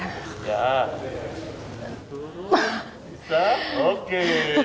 turun bisa oke